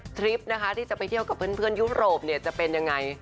ทริปที่จะไปเที่ยวกับเพื่อนยุโรปจะเป็นอย่างไร